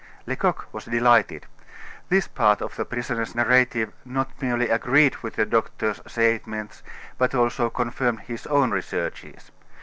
Lecoq was delighted. This part of the prisoner's narrative not merely agreed with the doctor's statements, but also confirmed his own researches.